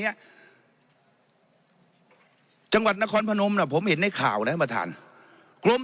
เนี้ยจังหวัดนครพนมน่ะผมเห็นในข่าวนะประธานกรม